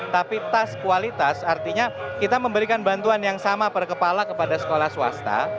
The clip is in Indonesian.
tapi tas kualitas artinya kita memberikan bantuan yang sama per kepala kepada sekolah swasta